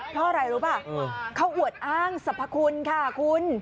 เพราะอะไรรู้ป่ะเขาอวดอ้างสรรพคุณค่ะคุณ